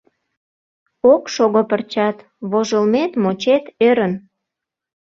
Ок шого пырчат — вожылмет-мочет — ӧрын.